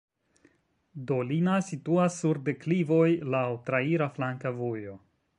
Dolina situas sur deklivoj, laŭ traira flanka vojo.